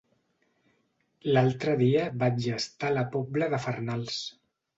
L'altre dia vaig estar a la Pobla de Farnals.